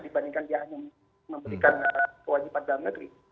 dibandingkan dia hanya memberikan kewajiban dalam negeri